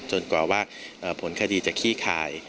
กว่าว่าผลคดีจะขี้คาย